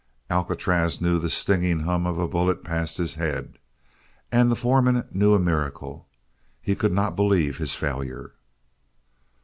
Alcatraz knew the stinging hum of a bullet past his head; and the foreman knew a miracle. He could not believe his failure.